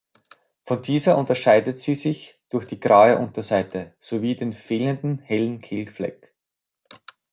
Von dieser unterscheidet sie sich durch die graue Unterseite, sowie den fehlenden hellen Kehlfleck.